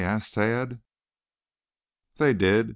asked Tad. "They did!